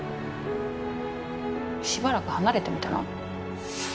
しばらく離れてみたら？